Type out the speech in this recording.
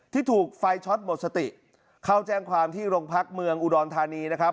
ที่ถูกไฟช็อตหมดสติเข้าแจ้งความที่โรงพักเมืองอุดรธานีนะครับ